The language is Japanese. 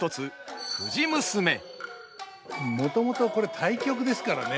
もともとこれ大曲ですからね。